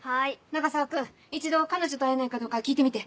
永沢君一度彼女と会えないかどうか聞いてみて。